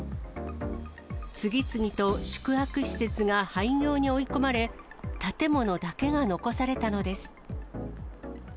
次々と宿泊施設が廃業に追い込まれ、建物だけが残されたのです。